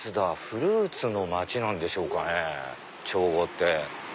フルーツの街なんでしょうかね長後って。